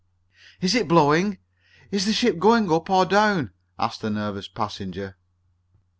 "Is it blowing? Is the ship going up or down?" asked the nervous passenger.